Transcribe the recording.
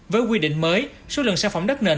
với quy định mới số lượng sản phẩm đất nền